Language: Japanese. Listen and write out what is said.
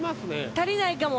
足りないかも。